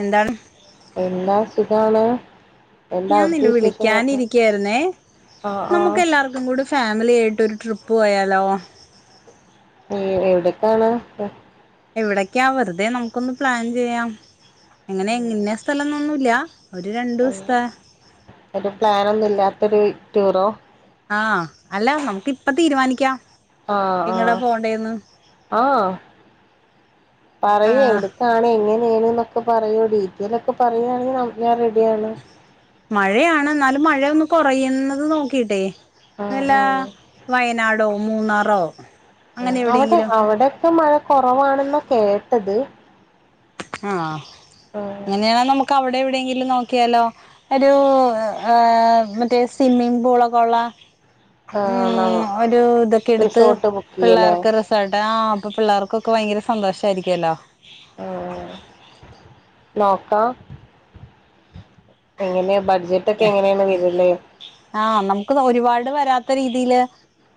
എന്താണ് എന്താണ് സുഖാണോ ഞാൻ നിന്നെ വിളിക്കാനിരിക്കായിരുന്നേ ആഹ് ആഹ് നമുക്ക് എല്ലാർക്കും ഒന്നുംകൂടി ഫാമിലിയായിട്ട് ഒരു ട്രിപ്പ് പോയാലോ ഏ എവിടെക്കാണ് എവിടക്കെ വെറുതെ നമുക്കൊന്ന് പ്ലാൻ ചെയ്യാം അങ്ങനെ ഇന്ന സ്ഥലംന്നൊന്നുല്ല ഒരു ഉം. രണ്ടൂസ്ത്ത ഒരു പ്ലാനൊന്നുല്ലാത്തൊരു ടൂറോ ആഹ് അല്ല നമുക്ക് ഇപ്പം തീരുമാനിക്കാം ആഹ് എങ്ങടാ ആഹ് പോണ്ടേന്ന് ആഹ് പറയി ആഹ് എവിടെ ക്കാണ് എങ്ങനെയാണ്ന്നൊക്കെ പറയോടീ ഡീറ്റെലൊക്ക പറയാണെങ്കി ഞാൻ റെഡിയാണ് മഴയാണ് എന്നാലും മഴയൊന്ന് കൊറയുന്നത് നോക്കിട്ടേ ആഹ് വല്ലാ ആഹ് വയനാടോ മൂന്നാറോ ഉം അങ്ങനെ അവിടെ എവിടെയെങ്കിലും അവിടൊക്കെ മഴ കൊറവാണെന്നാ കേട്ടത് ആഹ് ആഹ് അങ്ങനെയാണെ നമുക്ക് അവിടെ എവിടെയെങ്കിലും നോ ക്കിയാല്ലോ ഒരു മറ്റേ സ്വിമ്മിംഗ് പൂളൊക്കെ ഒള്ള ഉം ആഹ് ഒരു ഇതൊക്കെ എടുത്ത് റിസോർട്ട് ബുക്ക് ചെയ്യല്ലേ പിള്ളാർക്ക് റെസ് പെട അപ്പൊ പിള്ളാർക്കൊക്കെ ഭയങ്കര സന്തോഷായിരിക്കുല്ലോ ഉം നോക്കാം എങ്ങനെയാ ബഡ്ജറ്റ് ഒക്കെ എങ്ങനെയാണ് വര്ന്നെ ആഹ് നമുക്ക് ഒരുപാട് വരാത്ത രീതിയില്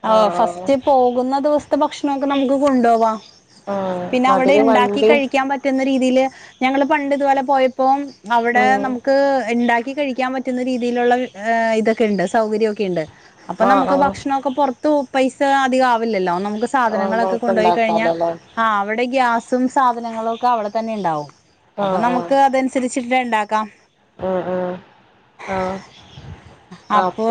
ഓ ആഹ് ഫസ്റ്റ് പോകുന്ന ദിവസം ത്ത ഭക്ഷണൊക്ക നമുക്ക് കൊണ്ടോവാ ആഹ് പിന്നെ അവിടെ അതില് ഇണ്ടാക്കി വണ്ടി കഴിക്കാൻ പറ്റ് റ്റുന്ന രീതിയില് ഞങ്ങള് പണ്ട് ഇതുപോലെ പോയപ്പോ അവിടെ ഉം നമുക്ക് ഇണ്ടാക്കി കഴിക്കാൻ പറ്റുന്ന രീതിയിലുള്ള ഇതൊക്കെ ഉണ്ട്, സൗകര്യമൊക്കെ ഉണ്ട്. അപ്പൊ ആഹ് നമുക്ക് ആഹ് ഭക്ഷണൊക്കെ പുറത്തു പൈസ അധിക ആവില്ലല്ലോ. നമുക്ക് ആഹ് സാധനങ്ങളൊക്കെ മോക്ക് കൊണ്ടുപോയി കഴിഞ്ഞാ, ഇണ്ടാക്കാലോല്ലേ ആ അവിടെ ഗ്യാസും സാധനങ്ങളും ഒക്കെ അവിടെ തന്നെ ഉണ്ടാവും. അപ്പൊ ആഹ് നമുക്ക് അത് അനു സരിച്ചിട്ട് ഇണ്ടാക്കാം. ആ ആ ആഹ. അപ്പൊ